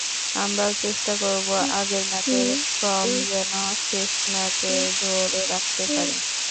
আমরাও চেষ্টা করব আগের ম্যাচের ফর্ম যেন শেষ ম্যাচে ধরে রাখতে পারি।